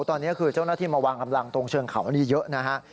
ตอนนี้คือเจ้าหน้าที่มาวางกำลังตรงเชิงเขานี่เยอะนะฮะ